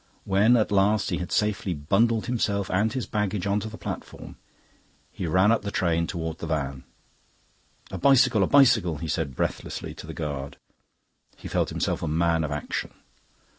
When at last he had safely bundled himself and his baggage on to the platform, he ran up the train towards the van. "A bicycle, a bicycle!" he said breathlessly to the guard. He felt himself a man of action.